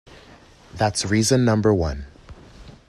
That's reason number one.